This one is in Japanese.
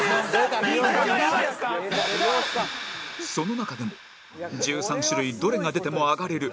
その中でも１３種類どれが出てもアガれる